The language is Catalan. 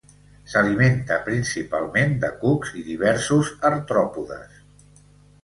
S'alimenta principalment de cucs i diversos artròpodes.